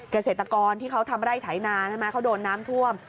เกษตรกรที่เขาทำไร่ไถนาใช่ไหมเขาโดนน้ำท่วม